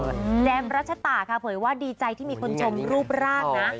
แจมรัชตาค่ะเผยว่าดีใจที่มีคนชมรูปร่างนะ